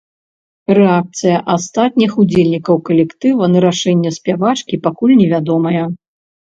Рэакцыя астатніх удзельнікаў калектыва на рашэнне спявачкі пакуль невядомая.